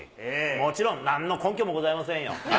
もちろんなんの根拠もございませんよ。